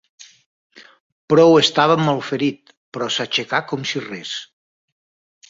Prou estava malferit, però s'aixecà com si res.